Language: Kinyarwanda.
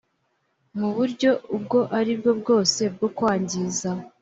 mu buryo ubwo aribwo bwose bwakwangiza